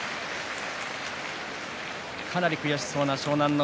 かなり悔しそうな湘南乃